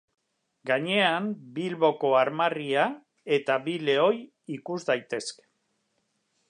Gainean Bilboko armarria eta bi lehoi ikus daitezke.